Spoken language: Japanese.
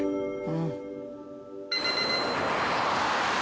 うん。